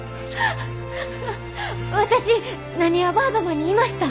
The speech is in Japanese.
私なにわバードマンにいました！